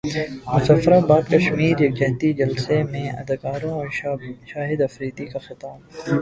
مظفراباد کشمیر یکجہتی جلسہ میں اداکاروں اور شاہد افریدی کا خطاب